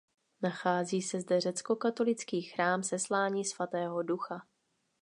Nachází se zde řeckokatolický chrám Seslání svatého Ducha.